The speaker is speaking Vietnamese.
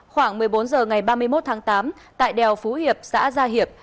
khoảng một mươi bốn h ngày ba mươi một tháng tám tại đèo phú hiệp xã gia hiệp